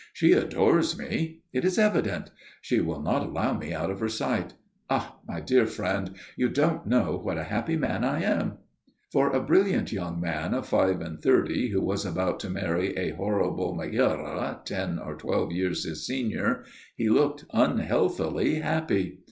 "She adores me. It is evident. She will not allow me out of her sight. Ah, my dear friend, you don't know what a happy man I am." For a brilliant young man of five and thirty, who was about to marry a horrible Megæra ten or twelve years his senior, he looked unhealthily happy.